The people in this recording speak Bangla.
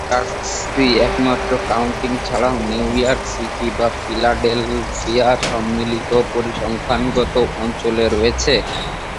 নিউ জার্সির একমাত্র কাউন্টি ছাড়াও নিউ ইয়র্ক সিটি বা ফিলাডেলফিয়ার সম্মিলিত পরিসংখ্যানগত অঞ্চলে রয়েছে।